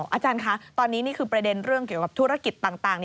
อาจารย์คะตอนนี้นี่คือประเด็นเรื่องเกี่ยวกับธุรกิจต่าง